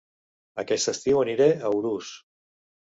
Aquest estiu aniré a Urús